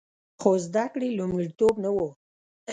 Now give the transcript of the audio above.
خو زده کړې لومړیتوب نه و